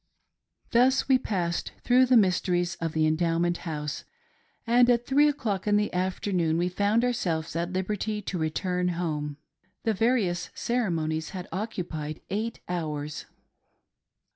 Thus we passed through the mysteries of the Endowment House, and at three o'clock in the afternoon we found our selves at liberty to return home. The various ceremonies had occupied eight hours.